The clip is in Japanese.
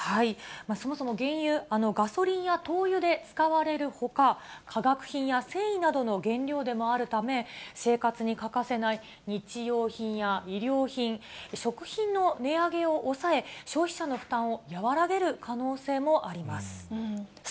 そもそも原油、ガソリンや灯油で使われるほか、化学品や繊維などの原料でもあるため、生活に欠かせない日用品や衣料品、食品の値上げを抑え、消費者の負担を和らげる可能性もあります。